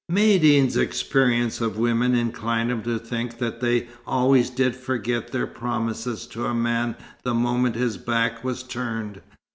Maïeddine's experience of women inclined him to think that they always did forget their promises to a man the moment his back was turned.